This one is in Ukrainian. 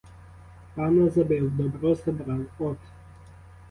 Пана забив, добро забрав — от!